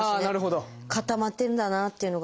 固まってるんだなっていうのが。